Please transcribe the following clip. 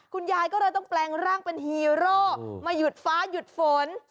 คุณยายก็เลยต้องแปลงร่างเป็นฮีโร่มาหยุดฟ้าหยุดฝน